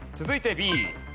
続いてＢ。